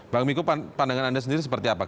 bang miko pandangan anda sendiri seperti apa